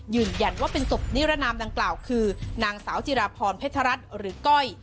ยืนยันว่าเป็นศพนิรนามดังกล่าวคือนางสาวจิราพรเพชรรัฐหรือก้อย